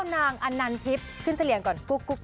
นางอันนันธิพย์ขึ้นเฉลี่ยงก่อน